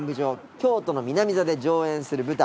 京都の南座で上演する舞台